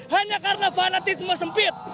hanya karena fanatisme sempit